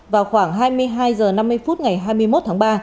vào khoảng hai mươi hai h năm mươi phút ngày hai mươi một tháng ba